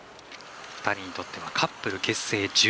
２人にとってはカップル結成